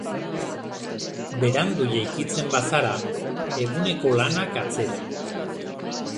Berandu jaikitzen bazara, eguneko lanak atzera.